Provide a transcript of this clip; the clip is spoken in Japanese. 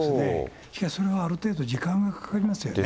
しかしそれはある程度、時間がかかりますよね。